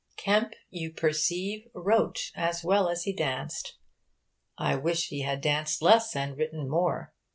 Kemp, you perceive, wrote as well as he danced. I wish he had danced less and written more.